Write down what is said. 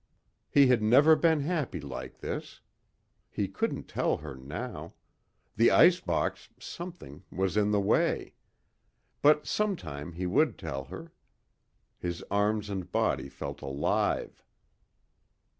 He had never been happy like this. He couldn't tell her now ... the icebox, something, was in the way. But sometime he would tell her. His arms and body felt alive.